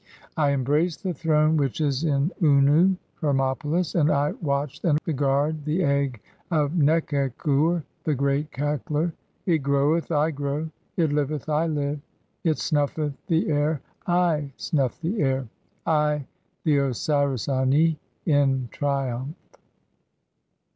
"I embrace the throne which is in Unnu (Hermopolis), and I "watch and guard (3) the egg of Nekek ur (;'.<?., the Great "Cackler). It groweth, I grow ; it liveth, I live ; (4) it snuffeth "the air, I snuff the air, I the Osiris Ani, in triumph."